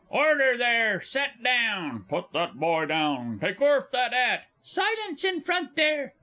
Order, there! Set down! Put that boy down! Take orf that 'at! Silence in front, there!